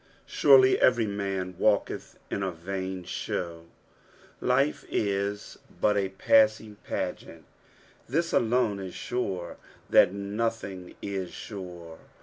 Surely tttry man valketh in a tain thetc." Life is but n passing pageant. This alone is sure, that nothing is sure.